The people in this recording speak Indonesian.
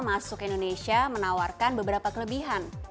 masuk indonesia menawarkan beberapa kelebihan